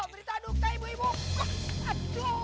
berita duka ibu ibu